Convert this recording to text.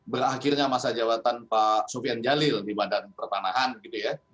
berakhirnya masa jabatan pak sofian jalil di badan pertanahan gitu ya